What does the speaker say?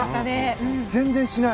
全然しない。